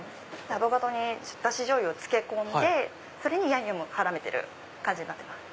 アボカドにダシじょうゆを漬け込んでそれにヤンニョムを絡めてる感じになってます。